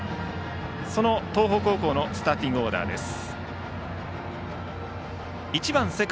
その東邦高校のスターティングオーダーです。